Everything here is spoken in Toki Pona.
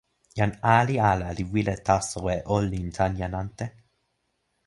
jan ali ala li wile taso e olin tan jan ante.